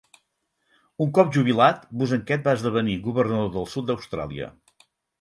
Un cop jubilat Bosanquet va esdevenir governador del sud d'Austràlia.